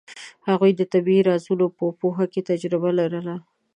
هغوی د طبیعي رازونو په پوهه کې تجربه لرله.